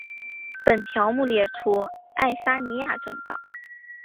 本条目列出爱沙尼亚政党。